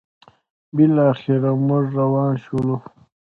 بالاخره موږ روان شولو: